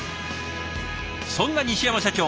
そんな西山社長